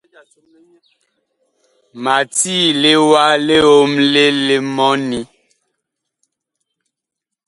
Ma tiile wa liomle li mɔni.